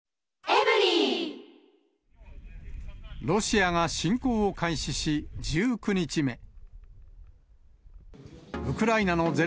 ロシアが侵攻を開始し、１９日目。